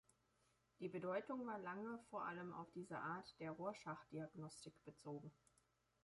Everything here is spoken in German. Die Bedeutung war lange vor allem auf diese Art der Rorschach-Diagnostik bezogen.